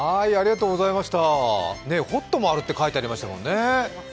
ホットもあるって書いてありましたもんね。